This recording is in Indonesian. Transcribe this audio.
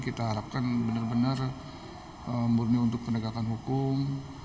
kita harapkan benar benar murni untuk penegakan hukum